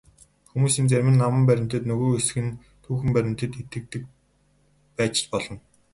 Хүмүүсийн зарим нь аман баримтад, нөгөө хэсэг нь түүхэн баримтад итгэдэг байж ч болно.